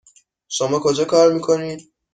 شما کجا کار میکنید؟